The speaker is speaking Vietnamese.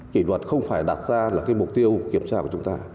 kỷ luật không phải đặt ra là cái mục tiêu kiểm tra của chúng ta